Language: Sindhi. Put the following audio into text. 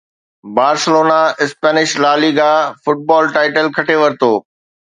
Barcelona Spanish La Liga football title کٽي ورتو